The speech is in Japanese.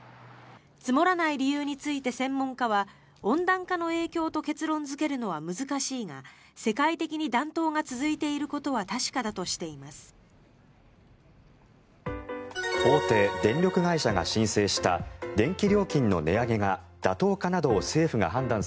積もらない理由について専門家は温暖化の影響と結論付けるのは難しいが世界的に暖冬が続いていることは確かだとしています。